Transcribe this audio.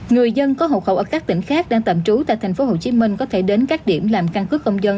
người dân có hộ khẩu ở các tỉnh khác đang tạm trú tại tp hcm có thể đến các điểm làm căn cứ công dân